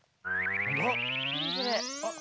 あっ！